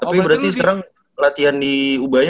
tapi berarti sekarang latihan di ubaya